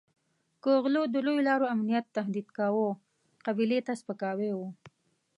که غلو د لویو لارو امنیت تهدید کاوه قبیلې ته سپکاوی وو.